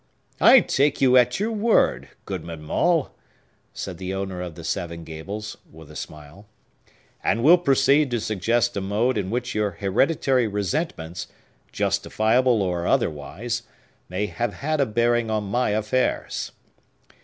"I take you at your word, Goodman Maule," said the owner of the Seven Gables, with a smile, "and will proceed to suggest a mode in which your hereditary resentments—justifiable or otherwise—may have had a bearing on my affairs.